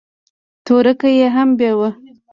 تورکى يې هم بېوه.